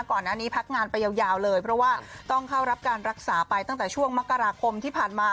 ก่อนหน้านี้พักงานไปยาวเลยเพราะว่าต้องเข้ารับการรักษาไปตั้งแต่ช่วงมกราคมที่ผ่านมา